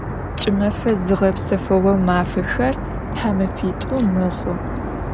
Ç'ımefe zığepsefığo mafexer thamefit'u mexhu.